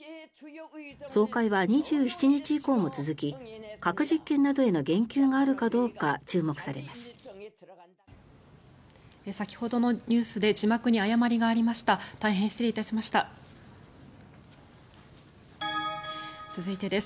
総会は２７日以降も続き核実験などへの言及があるかどうか注目されます。